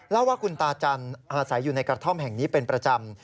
เล่าว่าคุณตาจันทร์อาศัยอยู่ในกระท่อมแห่งนี้เป็นประจำ